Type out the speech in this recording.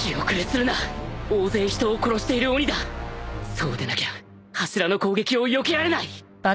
そうでなきゃ柱の攻撃をよけられない